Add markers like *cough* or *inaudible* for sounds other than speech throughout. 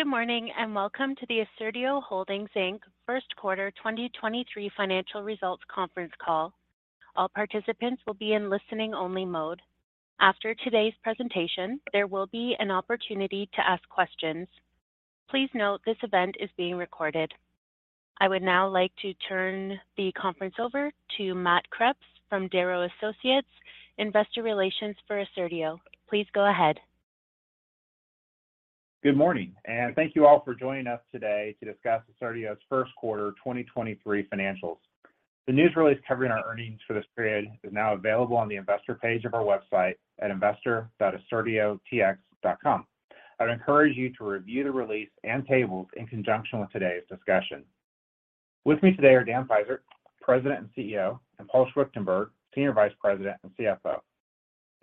Good morning, and welcome to the Assertio Holdings Inc. First Quarter 2023 Financial Results Conference Call. All participants will be in listening only mode. After today's presentation, there will be an opportunity to ask questions. Please note this event is being recorded. I would now like to turn the conference over to Matt Kreps from Darrow Associates, investor relations for Assertio. Please go ahead. Good morning, and thank you all for joining us today to discuss Assertio's first quarter 2023 financials. The news release covering our earnings for this period is now available on the investor page of our website at investor.assertiotx.com. I'd encourage you to review the release and tables in conjunction with today's discussion. With me today are Dan Peisert, President and CEO, and Paul Schwichtenberg, Senior Vice President and CFO.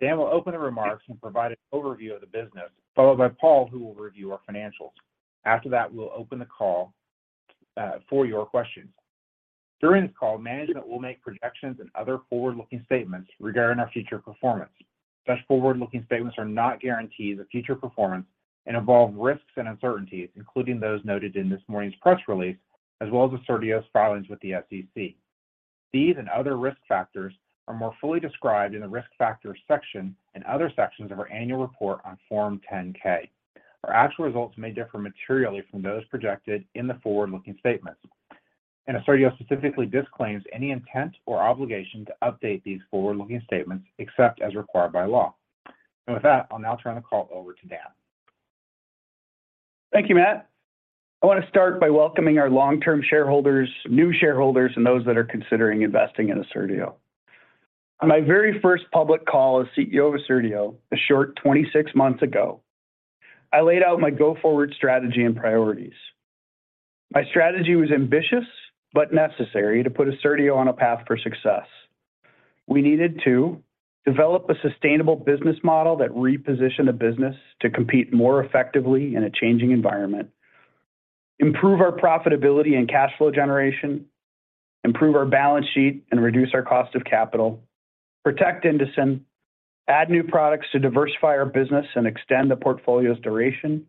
Dan will open the remarks and provide an overview of the business, followed by Paul, who will review our financials. After that, we'll open the call for your questions. During this call, management will make projections and other forward-looking statements regarding our future performance. Such forward-looking statements are not guarantees of future performance and involve risks and uncertainties, including those noted in this morning's press release, as well as Assertio's filings with the SEC. These and other risk factors are more fully described in the Risk Factors section and other sections of our annual report on Form 10-K. Our actual results may differ materially from those projected in the forward-looking statements. Assertio specifically disclaims any intent or obligation to update these forward-looking statements except as required by law. With that, I'll now turn the call over to Dan. Thank you, Matt. I want to start by welcoming our long-term shareholders, new shareholders, and those that are considering investing in Assertio. On my very first public call as CEO of Assertio, a short 26 months ago, I laid out my go-forward strategy and priorities. My strategy was ambitious, but necessary to put Assertio on a path for success. We needed to develop a sustainable business model that repositioned the business to compete more effectively in a changing environment, improve our profitability and cash flow generation, improve our balance sheet, and reduce our cost of capital, protect INDOCIN, add new products to diversify our business and extend the portfolio's duration,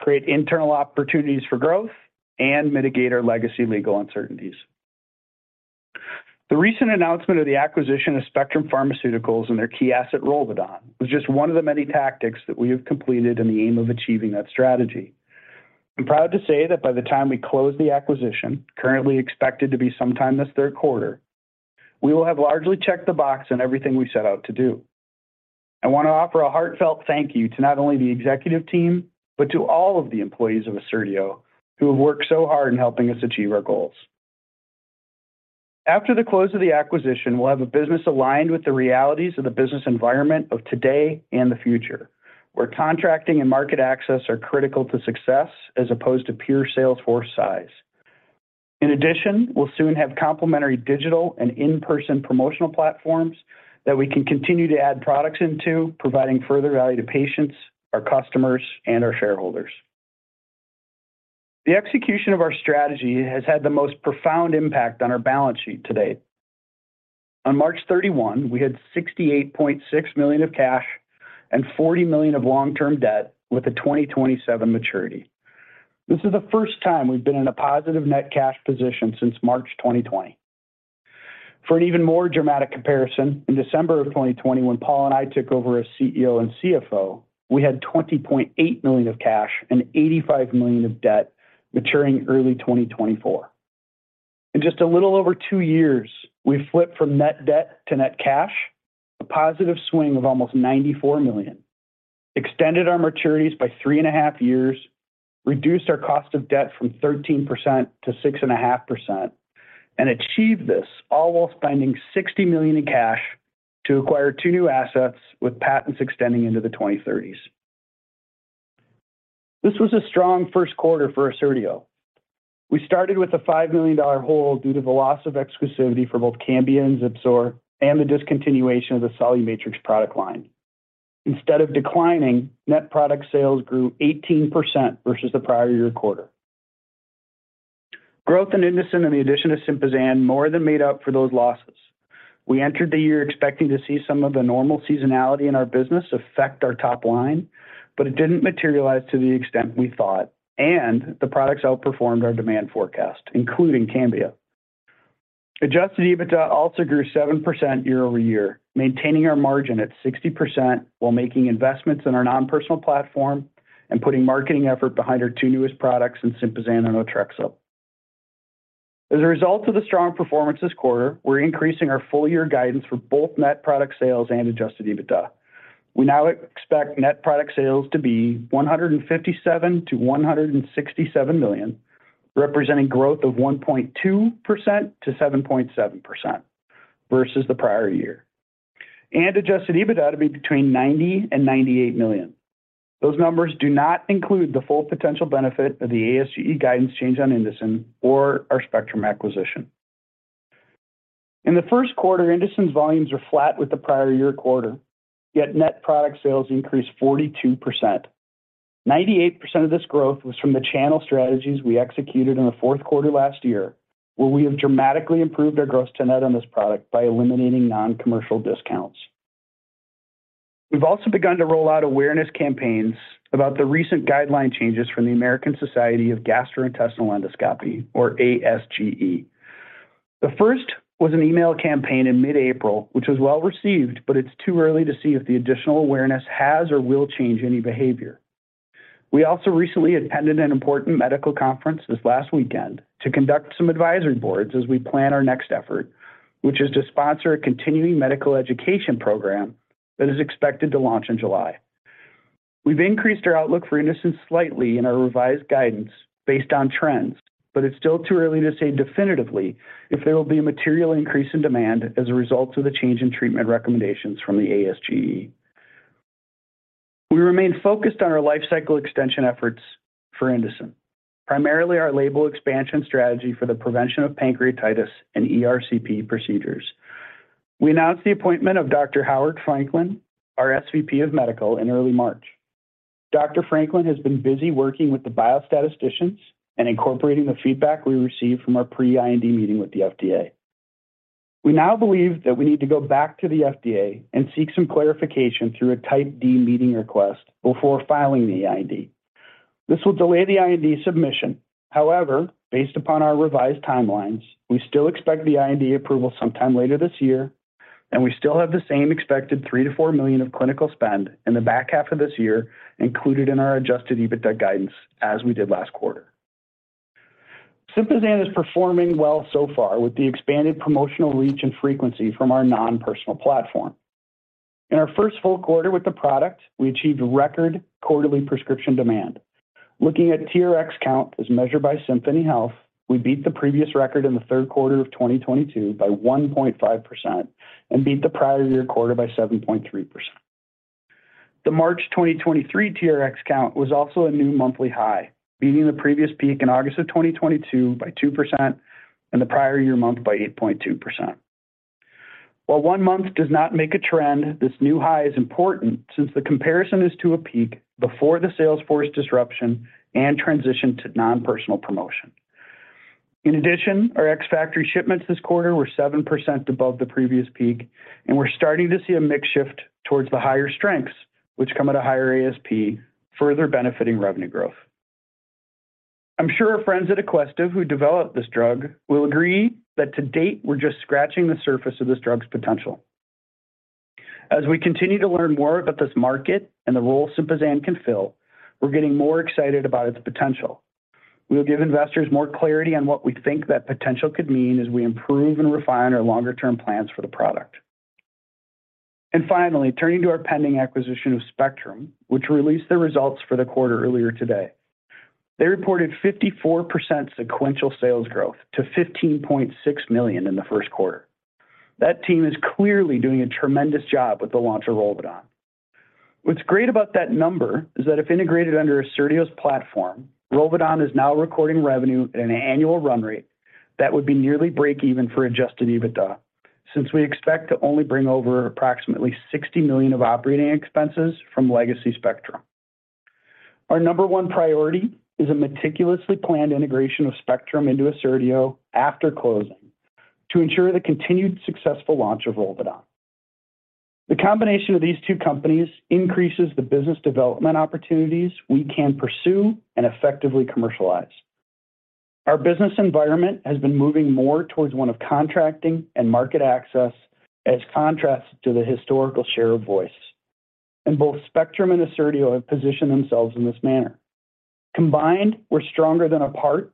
create internal opportunities for growth, and mitigate our legacy legal uncertainties. The recent announcement of the acquisition of Spectrum Pharmaceuticals and their key asset ROLVEDON was just one of the many tactics that we have completed in the aim of achieving that strategy. I'm proud to say that by the time we close the acquisition, currently expected to be sometime this third quarter, we will have largely checked the box on everything we set out to do. I want to offer a heartfelt thank you to not only the executive team, but to all of the employees of Assertio who have worked so hard in helping us achieve our goals. After the close of the acquisition, we'll have a business aligned with the realities of the business environment of today and the future, where contracting and market access are critical to success as opposed to pure sales force size. In addition, we'll soon have complementary digital and in-person promotional platforms that we can continue to add products into, providing further value to patients, our customers, and our shareholders. The execution of our strategy has had the most profound impact on our balance sheet to date. On March 31, we had $68.6 million of cash and $40 million of long-term debt with a 2027 maturity. This is the first time we've been in a positive net cash position since March 2020. For an even more dramatic comparison, in December of 2020 when Paul and I took over as CEO and CFO, we had $20.8 million of cash and $85 million of debt maturing early 2024. In just a little over 2 years, we flipped from net debt to net cash, a positive swing of almost $94 million, extended our maturities by 3.5 years, reduced our cost of debt from 13% to 6.5%, and achieved this all while spending $60 million in cash to acquire two new assets with patents extending into the 2030s. This was a strong first quarter for Assertio. We started with a $5 million hole due to the loss of exclusivity for both Cambia and ZIPSOR, and the discontinuation of the SoluMatrix product line. Instead of declining, net product sales grew 18% versus the prior-year quarter. Growth in INDOCIN and the addition of SYMPAZAN more than made up for those losses. We entered the year expecting to see some of the normal seasonality in our business affect our top line, but it didn't materialize to the extent we thought, and the products outperformed our demand forecast, including Cambia. Adjusted EBITDA also grew 7% year-over-year, maintaining our margin at 60% while making investments in our non-personal platform and putting marketing effort behind our two newest products in SYMPAZAN and Otrexup. As a result of the strong performance this quarter, we're increasing our full year guidance for both net product sales and Adjusted EBITDA. We now expect net product sales to be $157 million-$167 million, representing growth of 1.2%-7.7% versus the prior year, and Adjusted EBITDA to be between $90 million and $98 million. Those numbers do not include the full potential benefit of the ASC guidance change on INDOCIN or our Spectrum acquisition. In the first quarter, INDOCIN's volumes were flat with the prior year quarter, yet net product sales increased 42%. 98% of this growth was from the channel strategies we executed in the fourth quarter last year, where we have dramatically improved our gross-to-net on this product by eliminating non-commercial discounts. We've also begun to roll out awareness campaigns about the recent guideline changes from the American Society for Gastrointestinal Endoscopy, or ASGE. The first was an email campaign in mid-April, which was well-received, but it's too early to see if the additional awareness has or will change any behavior. We also recently attended an important medical conference this last weekend to conduct some advisory boards as we plan our next effort, which is to sponsor a continuing medical education program that is expected to launch in July. We've increased our outlook for INDOCIN slightly in our revised guidance based on trends, but it's still too early to say definitively if there will be a material increase in demand as a result of the change in treatment recommendations from the ASGE. We remain focused on our lifecycle extension efforts for INDOCIN, primarily our label expansion strategy for the prevention of pancreatitis and ERCP procedures. We announced the appointment of Dr. Howard Franklin, our SVP of Medical, in early March. Dr. Franklin has been busy working with the biostatisticians and incorporating the feedback we received from our pre-IND meeting with the FDA. We now believe that we need to go back to the FDA and seek some clarification through a Type D meeting request before filing the IND. This will delay the IND submission. However, based upon our revised timelines, we still expect the IND approval sometime later this year, and we still have the same expected $3 million-$4 million of clinical spend in the back half of this year included in our Adjusted EBITDA guidance as we did last quarter. SYMPAZAN is performing well so far with the expanded promotional reach and frequency from our non-personal platform. In our first full quarter with the product, we achieved record quarterly prescription demand. Looking at TRx count as measured by Symphony Health, we beat the previous record in the third quarter of 2022 by 1.5% and beat the prior year quarter by 7.3%. The March 2023 TRx count was also a new monthly high, beating the previous peak in August of 2022 by 2% and the prior year month by 8.2%. While one month does not make a trend, this new high is important since the comparison is to a peak before the sales force disruption and transition to non-personal promotion. In addition, our ex-factory shipments this quarter were 7% above the previous peak, and we're starting to see a mix shift towards the higher strengths, which come at a higher ASP, further benefiting revenue growth. I'm sure our friends at Aquestive who developed this drug will agree that to date, we're just scratching the surface of this drug's potential. As we continue to learn more about this market and the role SYMPAZAN can fill, we're getting more excited about its potential. We will give investors more clarity on what we think that potential could mean as we improve and refine our longer-term plans for the product. Finally, turning to our pending acquisition of Spectrum, which released their results for the quarter earlier today. They reported 54% sequential sales growth to $15.6 million in the first quarter. That team is clearly doing a tremendous job with the launch of ROLVEDON. What's great about that number is that if integrated under Assertio's platform, ROLVEDON is now recording revenue at an annual run rate that would be nearly break even for Adjusted EBITDA. Since we expect to only bring over approximately $60 million of operating expenses from Legacy Spectrum. Our number one priority is a meticulously planned integration of Spectrum into Assertio after closing to ensure the continued successful launch of ROLVEDON. The combination of these two companies increases the business development opportunities we can pursue and effectively commercialize. Our business environment has been moving more towards one of contracting and market access as contrast to the historical share of voice. Both Spectrum and Assertio have positioned themselves in this manner. Combined, we're stronger than apart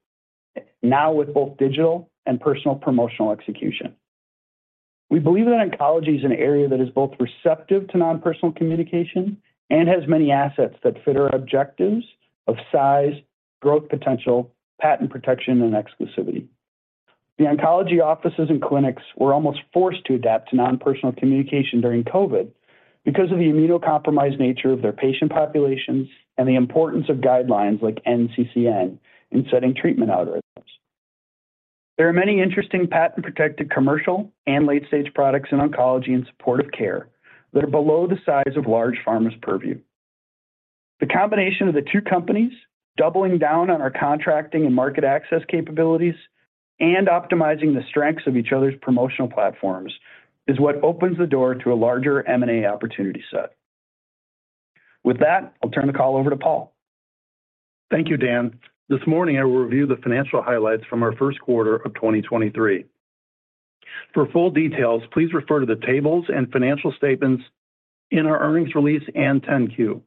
now with both digital and personal promotional execution. We believe that oncology is an area that is both receptive to non-personal communication and has many assets that fit our objectives of size, growth potential, patent protection, and exclusivity. The oncology offices and clinics were almost forced to adapt to non-personal communication during COVID because of the immunocompromised nature of their patient populations and the importance of guidelines like NCCN in setting treatment algorithms. There are many interesting patent-protected commercial and late-stage products in oncology and supportive care that are below the size of large pharma's purview. The combination of the two companies doubling down on our contracting and market access capabilities and optimizing the strengths of each other's promotional platforms is what opens the door to a larger M&A opportunity set. With that, I'll turn the call over to Paul. Thank you, Dan Peisert. This morning, I will review the financial highlights from our first quarter of 2023. For full details, please refer to the tables and financial statements in our earnings release and 10-Q.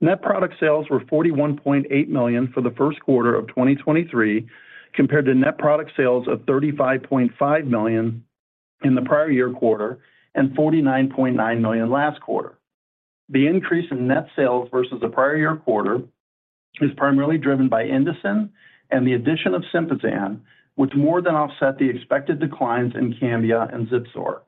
Net product sales were $41.8 million for the first quarter of 2023, compared to net product sales of $35.5 million in the prior year quarter and $49.9 million last quarter. The increase in net sales versus the prior year quarter is primarily driven by INDOCIN and the addition of SYMPAZAN, which more than offset the expected declines in Cambia and ZIPSOR.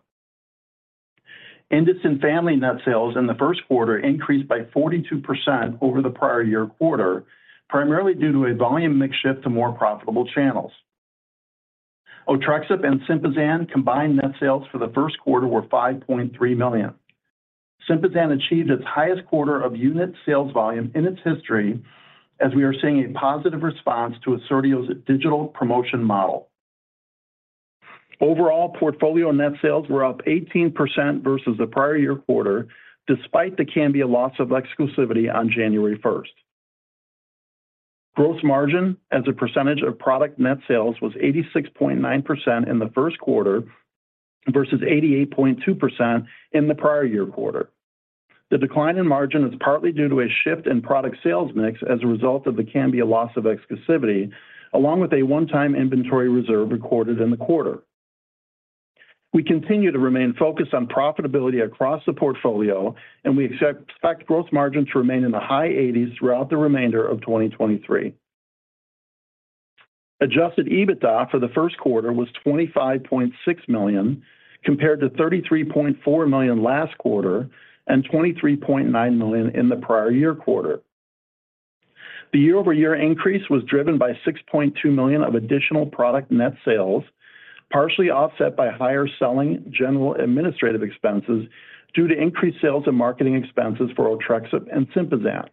INDOCIN family net sales in the first quarter increased by 42% over the prior year quarter, primarily due to a volume mix shift to more profitable channels. Otrexup and SYMPAZAN combined net sales for the first quarter were $5.3 million. SYMPAZAN achieved its highest quarter of unit sales volume in its history as we are seeing a positive response to Assertio's digital promotion model. Overall portfolio net sales were up 18% versus the prior year quarter, despite the Cambia loss of exclusivity on January first. Gross margin as a percentage of product net sales was 86.9% in the first quarter versus 88.2% in the prior year quarter. The decline in margin is partly due to a shift in product sales mix as a result of the Cambia loss of exclusivity, along with a one-time inventory reserve recorded in the quarter. We continue to remain focused on profitability across the portfolio, and we expect gross margins to remain in the high 80s throughout the remainder of 2023. Adjusted EBITDA for the first quarter was $25.6 million, compared to $33.4 million last quarter and $23.9 million in the prior year quarter. The year-over-year increase was driven by $6.2 million of additional product net sales, partially offset by higher selling general administrative expenses due to increased sales and marketing expenses for Otrexup and SYMPAZAN.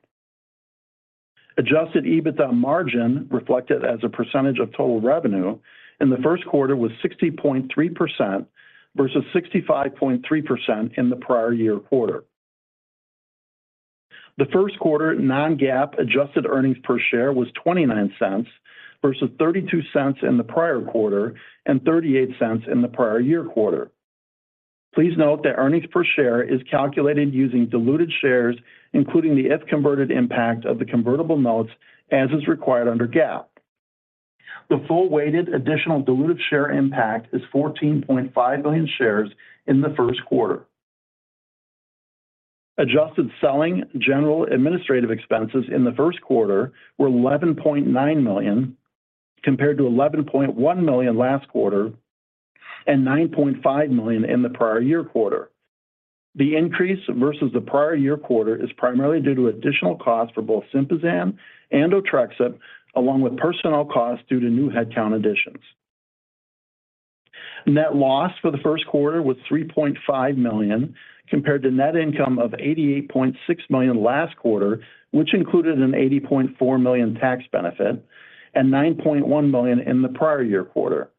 Adjusted EBITDA margin reflected as a percentage of total revenue in the first quarter was 60.3% versus 65.3% in the prior year quarter. The first quarter non-GAAP adjusted earnings per share was $0.29 versus $0.32 in the prior quarter and $0.38 in the prior year quarter. Please note that earnings per share is calculated using diluted shares, including the if converted impact of the convertible notes as is required under GAAP. The full weighted additional diluted share impact is 14.5 million shares in the first quarter. Adjusted SG&A expenses in the first quarter were $11.9 million, compared to $11.1 million last quarter and $9.5 million in the prior year quarter. The increase versus the prior year quarter is primarily due to additional costs for both SYMPAZAN and Otrexup, along with personnel costs due to new headcount additions. Net loss for the first quarter was $3.5 million, compared to net income of $88.6 million last quarter, which included an $80.4 million tax benefit and $9.1 million in the prior year quarter.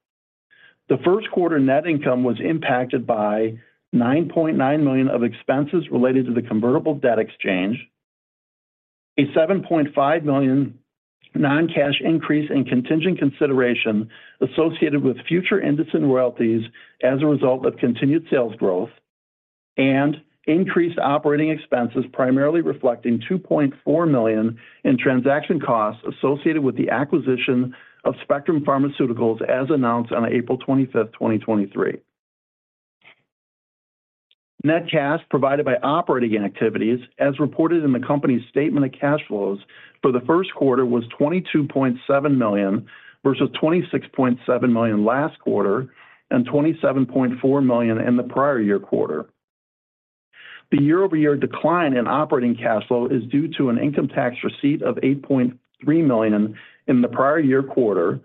The first quarter net income was impacted by $9.9 million of expenses related to the convertible debt exchange, a $7.5 million non-cash increase in contingent consideration associated with future INDOCIN royalties as a result of continued sales growth, and increased operating expenses, primarily reflecting $2.4 million in transaction costs associated with the acquisition of Spectrum Pharmaceuticals as announced on April 25th, 2023. Net cash provided by operating activities as reported in the company's statement of cash flows for the first quarter was $22.7 million versus $26.7 million last quarter and $27.4 million in the prior year quarter. The year-over-year decline in operating cash flow is due to an income tax receipt of $8.3 million in the prior year quarter,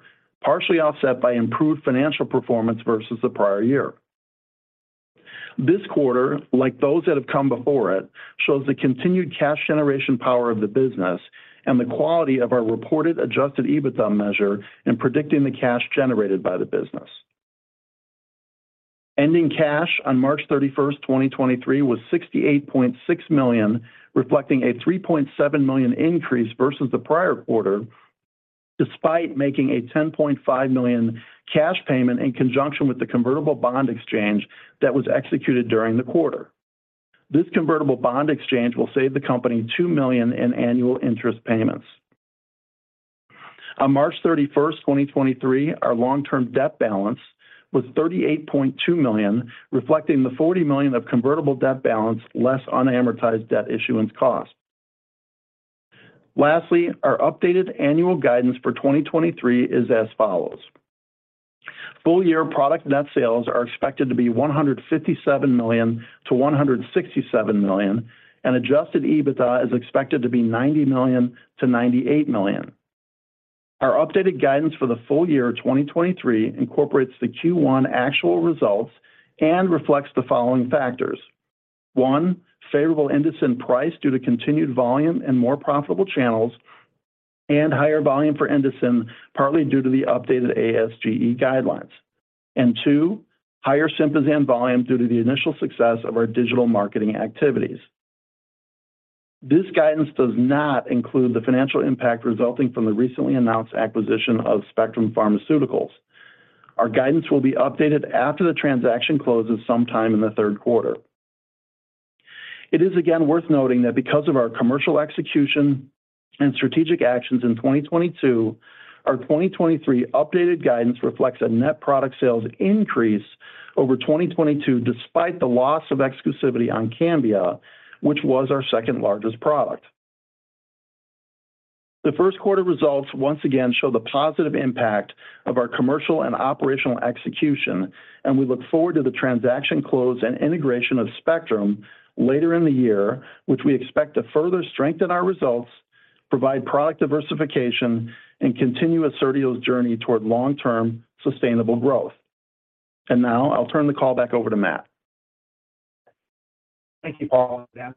partially offset by improved financial performance versus the prior year. This quarter, like those that have come before it, shows the continued cash generation power of the business and the quality of our reported Adjusted EBITDA measure in predicting the cash generated by the business. Ending cash on March 31, 2023, was $68.6 million, reflecting a $3.7 million increase versus the prior quarter, despite making a $10.5 million cash payment in conjunction with the convertible bond exchange that was executed during the quarter. This convertible bond exchange will save the company $2 million in annual interest payments. On March 31, 2023, our long-term debt balance was $38.2 million, reflecting the $40 million of convertible debt balance, less unamortized debt issuance cost. Lastly, our updated annual guidance for 2023 is as follows. Full year product net sales are expected to be $157 million-$167 million. Adjusted EBITDA is expected to be $90 million-$98 million. Our updated guidance for the full year of 2023 incorporates the Q1 actual results and reflects the following factors. One, favorable INDOCIN price due to continued volume and more profitable channels, higher volume for INDOCIN, partly due to the updated ASGE guidelines. Two, higher SYMPAZAN volume due to the initial success of our digital marketing activities. This guidance does not include the financial impact resulting from the recently announced acquisition of Spectrum Pharmaceuticals. Our guidance will be updated after the transaction closes sometime in the third quarter. It is again worth noting that because of our commercial execution and strategic actions in 2022, our 2023 updated guidance reflects a net product sales increase over 2022 despite the loss of exclusivity on Cambia, which was our second-largest product. The first quarter results once again show the positive impact of our commercial and operational execution. We look forward to the transaction close and integration of Spectrum later in the year, which we expect to further strengthen our results, provide product diversification, and continue Assertio's journey toward long-term sustainable growth. Now I'll turn the call back over to Matt. Thank you, Paul and Dan.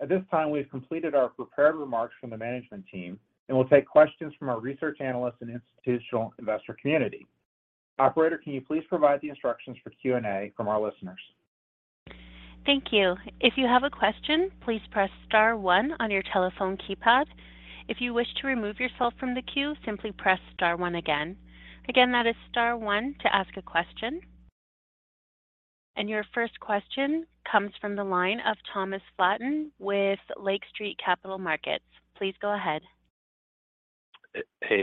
At this time, we've completed our prepared remarks from the management team, and we'll take questions from our research analyst and institutional investor community. Operator, can you please provide the instructions for Q&A from our listeners? Thank you. If you have a question, please press star one on your telephone keypad. If you wish to remove yourself from the queue, simply press star one again. Again, that is star one to ask a question. Your first question comes from the line of Thomas Flaten with Lake Street Capital Markets. Please go ahead.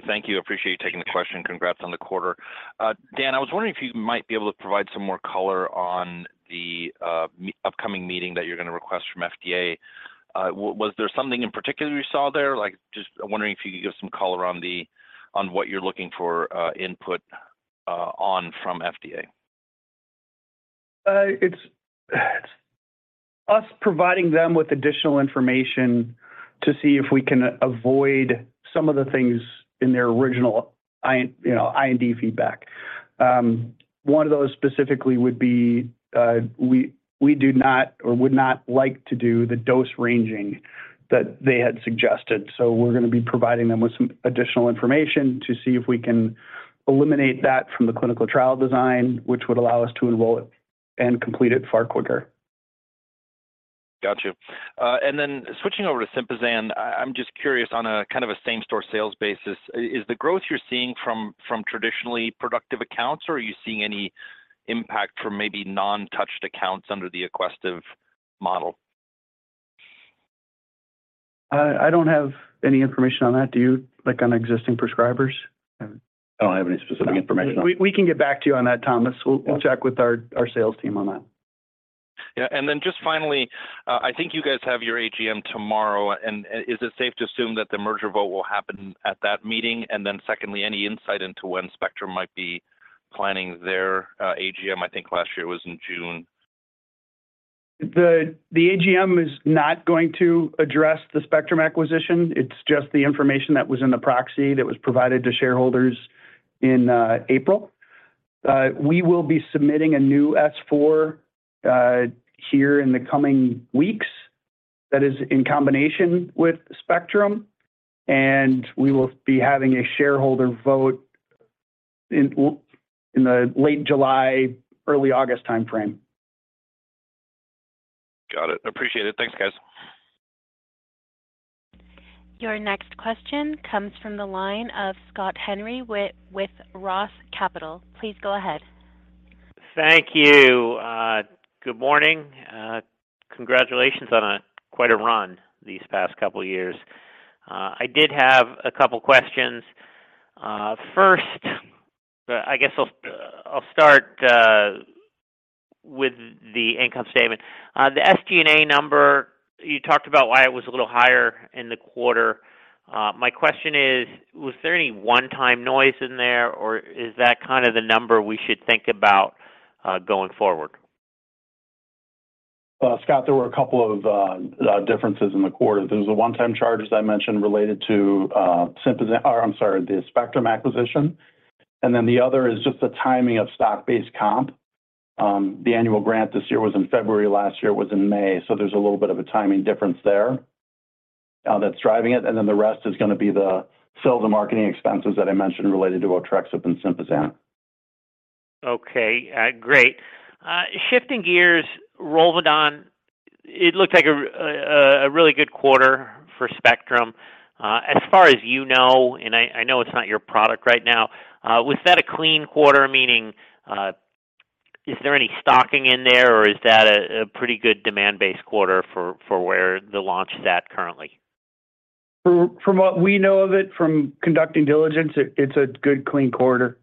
Thank you. Appreciate you taking the question. Congrats on the quarter. Dan, I was wondering if you might be able to provide some more color on the upcoming meeting that you're gonna request from FDA. Was there something in particular you saw there? Like, just wondering if you could give some color on what you're looking for input on from FDA. It's us providing them with additional information to see if we can avoid some of the things in their original you know, IND feedback. One of those specifically would be, we do not or would not like to do the dose ranging that they had suggested. We're gonna be providing them with some additional information to see if we can eliminate that from the clinical trial design, which would allow us to enroll and complete it far quicker. Got you. Switching over to SYMPAZAN, I'm just curious on a kind of a same-store sales basis. Is the growth you're seeing from traditionally productive accounts, or are you seeing any impact from maybe non-touched accounts under the Aquestive model? I don't have any information on that. Do you, like, on existing prescribers? *inaudible* We can get back to you on that, Thomas. We'll check with our sales team on that. Yeah. Then just finally, I think you guys have your AGM tomorrow. Is it safe to assume that the merger vote will happen at that meeting? Then secondly, any insight into when Spectrum might be planning their AGM? I think last year was in June. The AGM is not going to address the Spectrum acquisition. It's just the information that was in the proxy that was provided to shareholders in April. We will be submitting a new S-4 here in the coming weeks that is in combination with Spectrum, and we will be having a shareholder vote in the late July, early August timeframe. Got it. Appreciate it. Thanks, guys. Your next question comes from the line of Scott Henry with ROTH Capital Partners. Please go ahead. Thank you. Good morning. Congratulations on quite a run these past couple years. I did have a couple questions. First, I guess I'll start with the income statement. The SG&A number, you talked about why it was a little higher in the quarter. My question is, was there any one-time noise in there, or is that kind of the number we should think about going forward? Scott, there were a couple of differences in the quarter. There was the one-time charge, as I mentioned, related to SYMPAZAN. Or I'm sorry, the Spectrum Pharmaceuticals acquisition. The other is just the timing of stock-based comp. The annual grant this year was in February. Last year it was in May. There's a little bit of a timing difference there that's driving it. The rest is gonna be the sales and marketing expenses that I mentioned related to Otrexup and SYMPAZAN. Okay. Great. Shifting gears, ROLVEDON, it looked like a really good quarter for Spectrum. As far as you know, and I know it's not your product right now, was that a clean quarter? Meaning, is there any stocking in there, or is that a pretty good demand-based quarter for where the launch is at currently? From what we know of it from conducting diligence, it's a good clean quarter.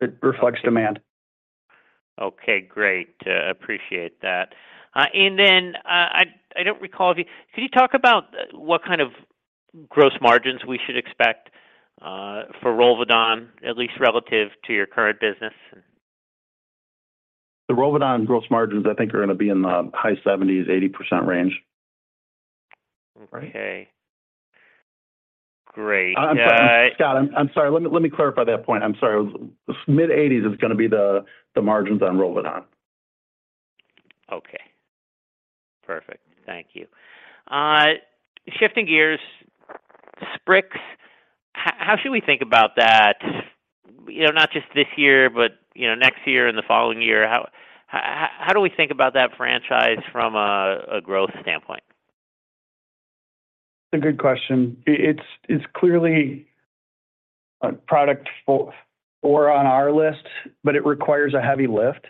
It reflects demand. Okay. Great. appreciate that. I don't recall. Could you talk about what kind of gross margins we should expect for ROLVEDON, at least relative to your current business? The ROLVEDON gross margins I think are gonna be in the high 70s%, 80% range. Okay. Great. I'm sorry. Uh- Scott, I'm sorry. Let me clarify that point. I'm sorry. It was mid-80s% is gonna be the margins on ROLVEDON. Okay. Perfect. Thank you. Shifting gears, SPRIX, how should we think about that, you know, not just this year, but, you know, next year and the following year? How, how do we think about that franchise from a growth standpoint? It's a good question. It's clearly a product four on our list, but it requires a heavy lift.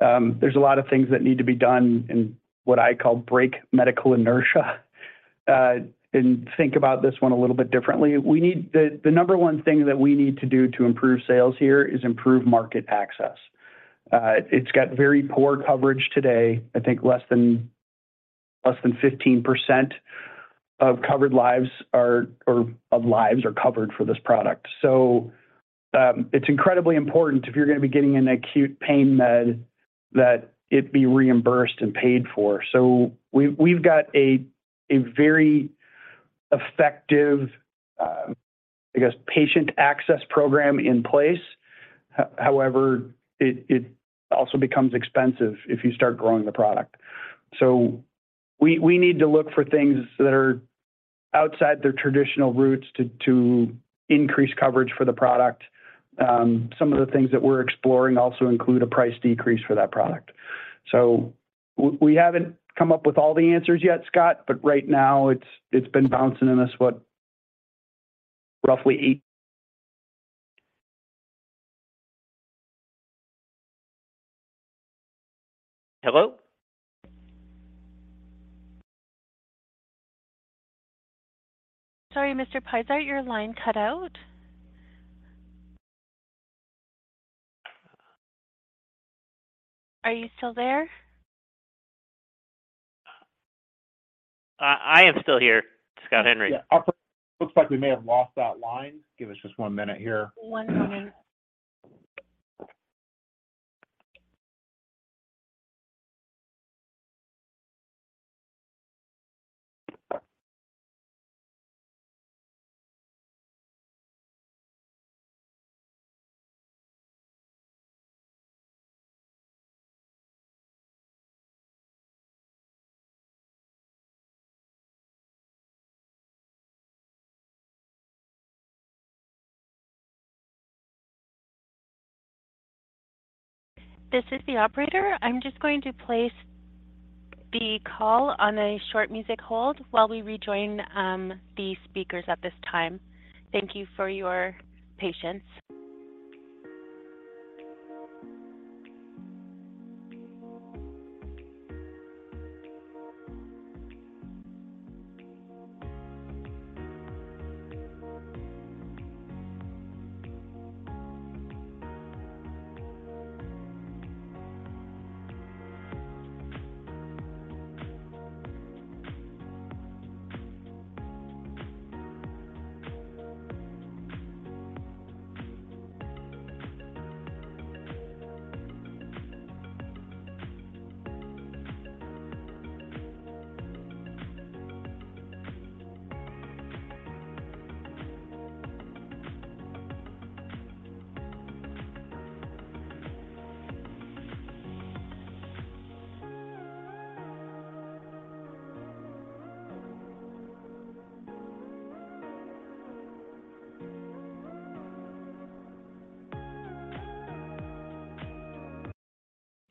There's a lot of things that need to be done in what I call break medical inertia, and think about this one a little bit differently. The number one thing that we need to do to improve sales here is improve market access. It's got very poor coverage today. I think less than 15% of covered lives or of lives are covered for this product. It's incredibly important if you're gonna be getting an acute pain med that it be reimbursed and paid for. We've got a very effective, I guess, patient access program in place. It also becomes expensive if you start growing the product. We need to look for things that are outside their traditional routes to increase coverage for the product. Some of the things that we're exploring also include a price decrease for that product. We haven't come up with all the answers yet, Scott, but right now it's been bouncing in this, what, roughly eight... Hello? Sorry, Mr. Peisert, your line cut out. Are you still there? I am still here, Scott Henry. Yeah. Looks like we may have lost that line. Give us just one minute here. One moment. This is the operator. I'm just going to place the call on a short music hold while we rejoin the speakers at this time. Thank you for your patience.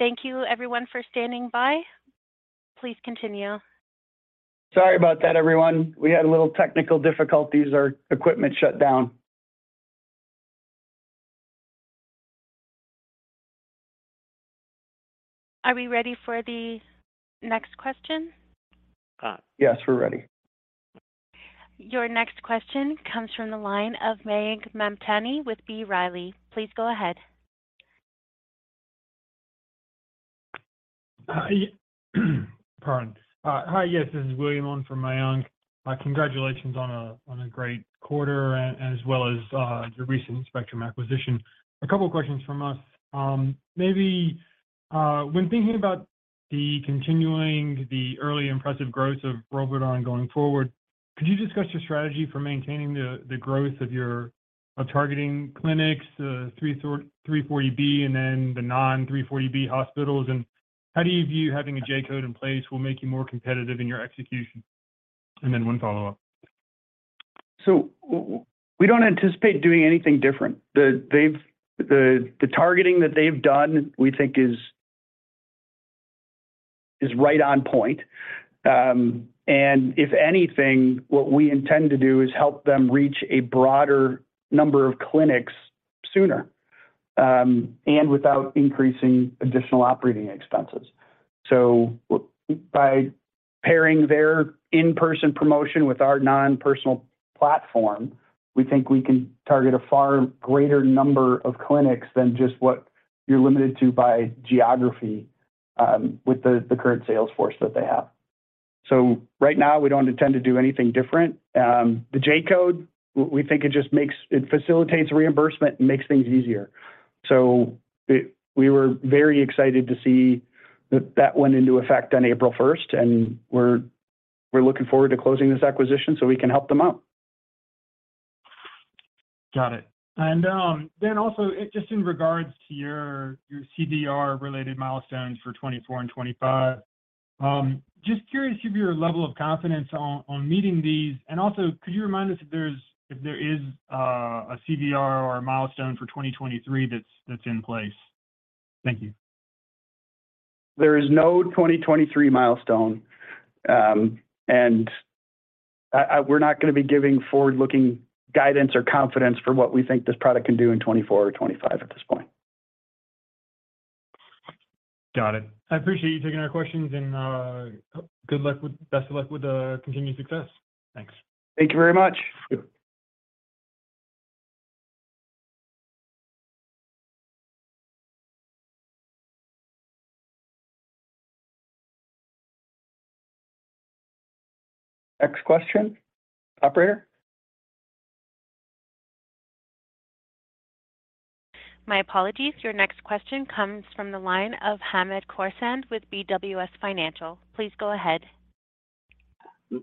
Thank you everyone for standing by. Please continue. Sorry about that, everyone. We had a little technical difficulties. Our equipment shut down. Are we ready for the next question? Yes, we're ready. Your next question comes from the line of Mayank Mamtani with B. Riley. Please go ahead. Pardon. Hi. Yes, this is William on from Mayank. Congratulations on a great quarter as well as your recent Spectrum acquisition. A couple of questions from us. Maybe when thinking about the continuing the early impressive growth of ROLVEDON going forward, could you discuss your strategy for maintaining the growth of your of targeting clinics, 340B and then the non-340B hospitals? How do you view having a J-code in place will make you more competitive in your execution? One follow-up. We don't anticipate doing anything different. The targeting that they've done, we think is right on point. And if anything, what we intend to do is help them reach a broader number of clinics sooner, and without increasing additional operating expenses. By pairing their in-person promotion with our non-personal platform, we think we can target a far greater number of clinics than just what you're limited to by geography, with the current sales force that they have. Right now, we don't intend to do anything different. The J-code, we think it just facilitates reimbursement and makes things easier. We were very excited to see that went into effect on April first, and we're looking forward to closing this acquisition so we can help them out. Got it. Then also just in regards to your CVR-related milestones for 2024 and 2025, just curious of your level of confidence on meeting these. Also, could you remind us if there is a CVR or a milestone for 2023 that's in place? Thank you. There is no 2023 milestone. We're not going to be giving forward-looking guidance or confidence for what we think this product can do in 2024 or 2025 at this point. Got it. I appreciate you taking our questions and best of luck with continued success. Thanks. Thank you very much. Next question, operator. My apologies. Your next question comes from the line of Hamed Khorsand with BWS Financial. Please go ahead.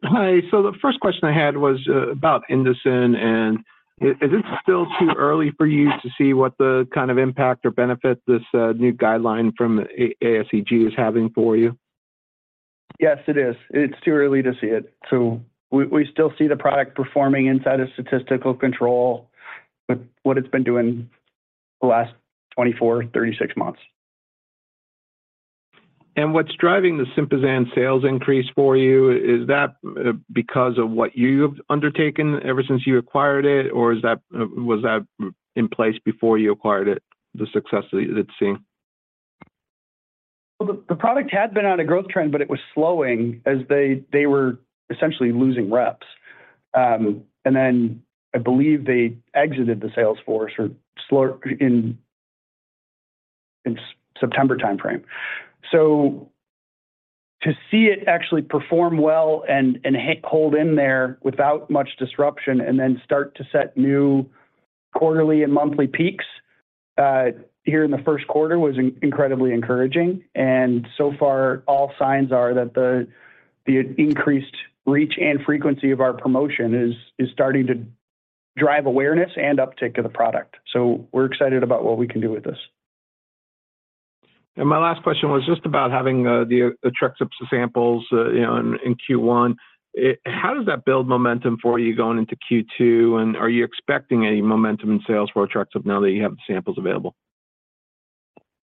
Hi. The first question I had was about INDOCIN, and is it still too early for you to see what the kind of impact or benefit this new guideline from ASGE is having for you? Yes, it is. It's too early to see it. We still see the product performing inside of statistical control with what it's been doing the last 24, 36 months. What's driving the SYMPAZAN sales increase for you, is that because of what you've undertaken ever since you acquired it, or was that in place before you acquired it, the success that it's seeing? The product had been on a growth trend, but it was slowing as they were essentially losing reps. Then I believe they exited the sales force in September timeframe. To see it actually perform well and hold in there without much disruption and then start to set new quarterly and monthly peaks here in the first quarter was incredibly encouraging. So far, all signs are that the increased reach and frequency of our promotion is starting to drive awareness and uptick of the product. We're excited about what we can do with this. My last question was just about having, the Otrexup samples, you know, in Q1. How does that build momentum for you going into Q2? Are you expecting any momentum in sales for Otrexup now that you have the samples available?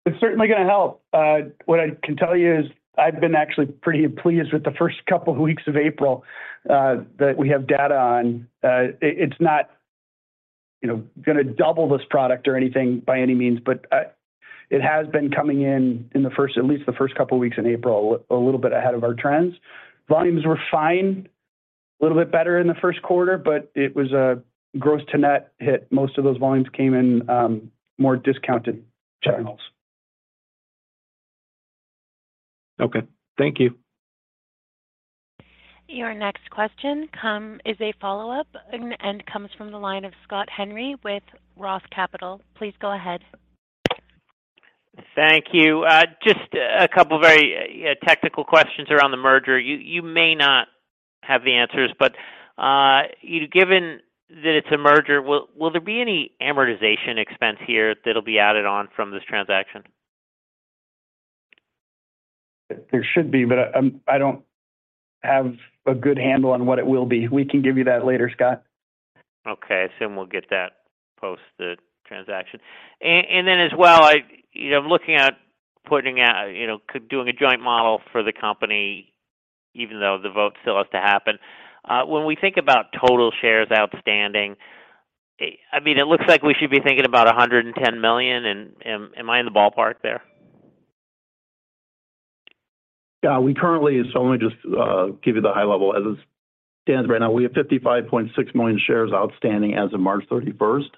It's certainly gonna help. What I can tell you is I've been actually pretty pleased with the first couple of weeks of April that we have data on. It's not, you know, gonna double this product or anything by any means, but it has been coming in at least the first couple of weeks in April, a little bit ahead of our trends. Volumes were fine, a little bit better in the first quarter, but it was a gross-to-net hit. Most of those volumes came in more discounted channels. Okay. Thank you. Your next question is a follow-up and comes from the line of Scott Henry with ROTH Capital Partners. Please go ahead. Thank you. just a couple of very technical questions around the merger. You may not have the answers, but, given that it's a merger, will there be any amortization expense here that'll be added on from this transaction? There should be, but, I don't have a good handle on what it will be. We can give you that later, Scott. Okay. I assume we'll get that post the transaction. Then as well, I, you know, I'm looking at putting out, you know, doing a joint model for the company, even though the vote still has to happen. When we think about total shares outstanding, I mean, it looks like we should be thinking about 110 million. Am I in the ballpark there? Yeah. Let me just give you the high level. As it stands right now, we have 55.6 million shares outstanding as of March 31st.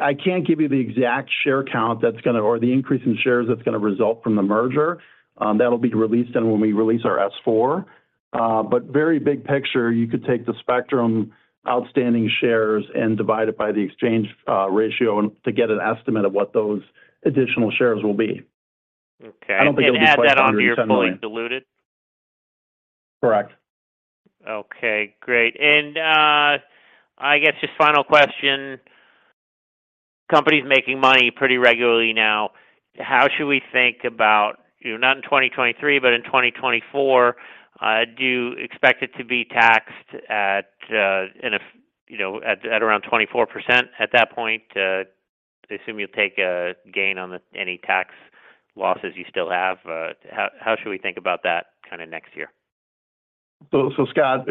I can't give you the exact share count that's gonna or the increase in shares that's gonna result from the merger. That'll be released then when we release our S-4. Very big picture, you could take the Spectrum outstanding shares and divide it by the exchange ratio to get an estimate of what those additional shares will be. Okay. I don't think it'll be quite 110 million. *crosstalk* Add that onto your fully diluted? Correct. Okay, great. I guess just final question. Company's making money pretty regularly now. How should we think about, you know, not in 2023, but in 2024, do you expect it to be taxed at, you know, at around 24% at that point? I assume you'll take a gain on any tax losses you still have. How should we think about that kinda next year? Scott,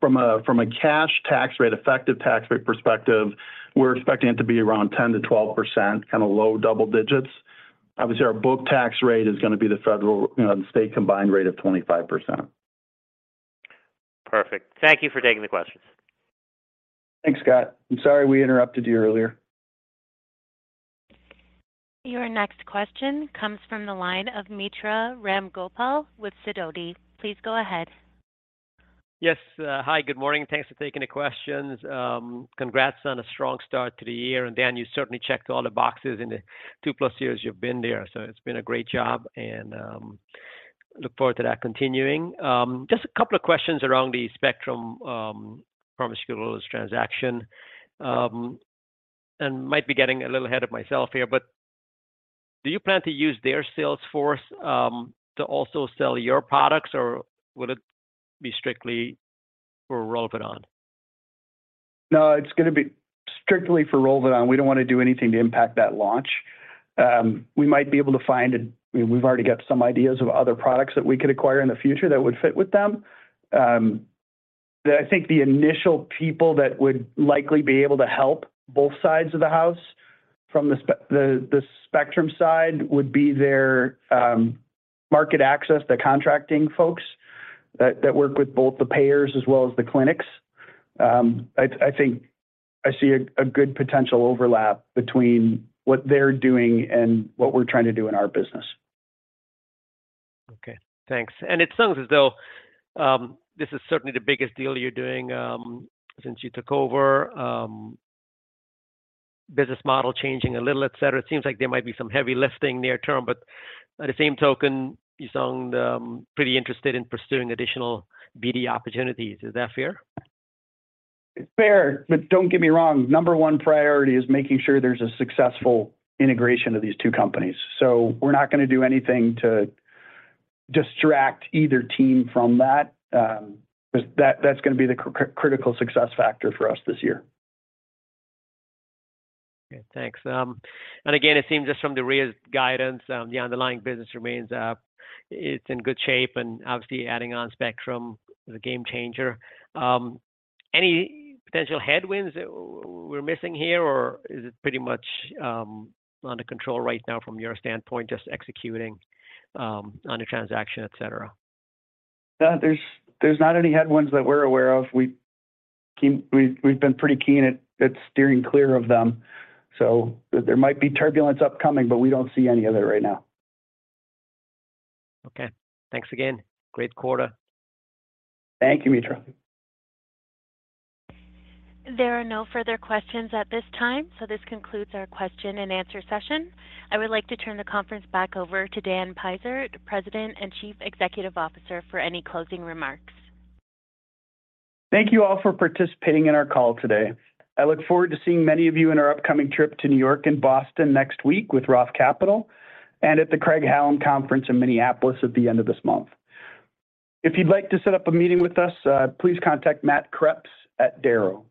from a cash tax rate, effective tax rate perspective, we're expecting it to be around 10%-12%, kind of low double digits. Obviously, our book tax rate is going to be the federal, you know, the state combined rate of 25%. Perfect. Thank you for taking the questions. Thanks, Scott. I'm sorry we interrupted you earlier. Your next question comes from the line of Mitra Ramgopal with Sidoti. Please go ahead. Yes. Hi, good morning. Thanks for taking the questions. Congrats on a strong start to the year. Dan, you certainly checked all the boxes in the 2-plus years you've been there. It's been a great job, and look forward to that continuing. Just a couple of questions around the Spectrum Pharmaceuticals transaction. Might be getting a little ahead of myself here, but do you plan to use their sales force to also sell your products, or would it be strictly for ROLVEDON? It's gonna be strictly for ROLVEDON. We don't wanna do anything to impact that launch. We've already got some ideas of other products that we could acquire in the future that would fit with them. I think the initial people that would likely be able to help both sides of the house from the Spectrum side would be their market access, the contracting folks that work with both the payers as well as the clinics. I think I see a good potential overlap between what they're doing and what we're trying to do in our business. Okay, thanks. It sounds as though, this is certainly the biggest deal you're doing, since you took over. Business model changing a little, et cetera. It seems like there might be some heavy lifting near term, but by the same token, you sound pretty interested in pursuing additional BD opportunities. Is that fair? It's fair, but don't get me wrong. Number one priority is making sure there's a successful integration of these two companies. We're not gonna do anything to distract either team from that, 'cause that's gonna be the critical success factor for us this year. Okay. Thanks. Again, it seems just from the real guidance, the underlying business remains, it's in good shape and obviously adding on Spectrum is a game changer. Any potential headwinds we're missing here, or is it pretty much under control right now from your standpoint, just executing on the transaction, et cetera? There's not any headwinds that we're aware of. We've been pretty keen at steering clear of them. There might be turbulence upcoming, but we don't see any of it right now. Okay. Thanks again. Great quarter. Thank you, Mitra. There are no further questions at this time, so this concludes our question and answer session. I would like to turn the conference back over to Dan Peisert, the President and Chief Executive Officer, for any closing remarks. Thank you all for participating in our call today. I look forward to seeing many of you in our upcoming trip to New York and Boston next week with Roth Capital and at the Craig-Hallum conference in Minneapolis at the end of this month. If you'd like to set up a meeting with us, please contact Matt Kreps at Darrow.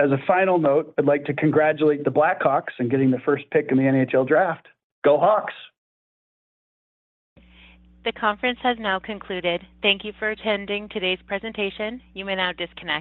As a final note, I'd like to congratulate the Blackhawks in getting the first pick in the NHL draft. Go Hawks. The conference has now concluded. Thank you for attending today's presentation. You may now disconnect.